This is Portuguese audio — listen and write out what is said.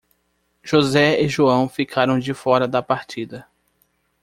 José e João ficaram de fora da partida.